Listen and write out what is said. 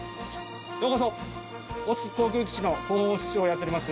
ようこそ小月航空基地の広報室長をやっております